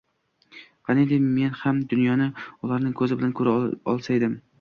Qaniydi men ham dunyoni ularning ko‘zi bilan ko‘ra olsaydim.